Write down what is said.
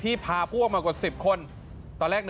ขามันยังพอ